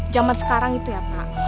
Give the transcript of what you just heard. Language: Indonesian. zaman sekarang itu ya pak